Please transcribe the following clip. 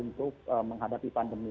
tiongkok untuk menghadapi pandemi